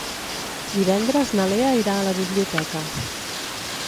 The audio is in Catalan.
Divendres na Lea irà a la biblioteca.